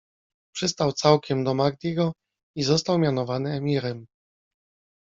Przystał całkiem do Mahdiego i został mianowany emirem.